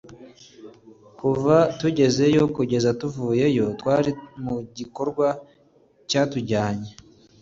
kuva tugezeyo kugeza tuvuyeyo twari mu gikorwa cyatujyanye ari cyo mahugurwa yo gukina twari teitabiriye